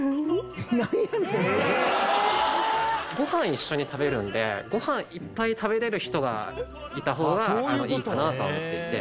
「なんやねんそれ」ご飯一緒に食べるのでご飯いっぱい食べられる人がいた方がいいかなあとは思っていて。